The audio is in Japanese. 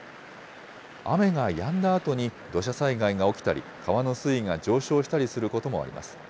雨がやんだあとに土砂災害が起きたり、川の水位が上昇したりすることもあります。